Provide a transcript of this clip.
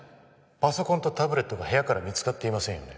パソコンとタブレットが部屋から見つかっていませんよね